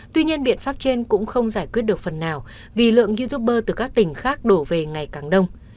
tuy nhiên biện pháp trên cũng không giải quyết được phần nào vì lượng youtuber từ các tỉnh khác đổ về ngày càng đông